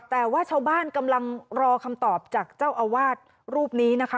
แต่ว่าชาวบ้านกำลังรอคำตอบจากเจ้าอาวาสรูปนี้นะคะ